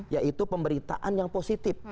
yaitu pemberitaan yang positif